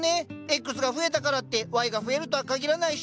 Ｘが増えたからってＹが増えるとは限らないし！